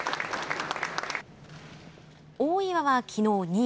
大岩は、きのう２位。